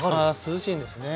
涼しいんですね。